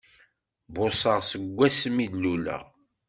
Buṣaɣ seg wasmi i d-luleɣ!